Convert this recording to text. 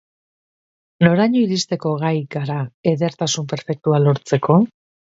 Noraino iristeko gai gara edertasun perfektua lortzeko?